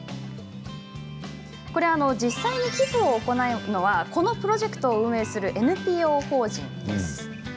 実際に寄付を行うのはこのプロジェクトを運営するＮＰＯ法人。